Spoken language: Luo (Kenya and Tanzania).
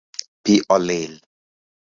Pi olil